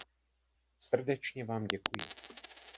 Srdečně vám děkuji!